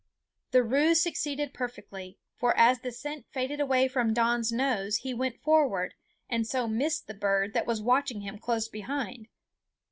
The ruse succeeded perfectly, for as the scent faded away from Don's nose he went forward, and so missed the bird that was watching him close behind.